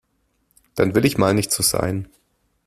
Dann will ich mal nicht so sein.